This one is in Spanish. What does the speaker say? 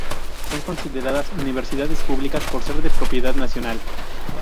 Son consideradas universidades públicas por ser de propiedad nacional.